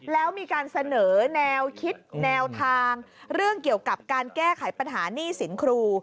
แล้วมีการเสนอแนวคิดแนวทางเรื่องเกี่ยวกับการแก้ไขปัญหาหนี้สินครู